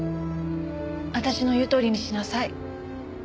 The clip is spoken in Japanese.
私の言うとおりにしなさい。